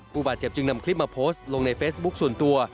ผู้บาดเจ็บจึงนำคลิปมาโพสต์ลงในเฟซบุ๊คส่วนตัว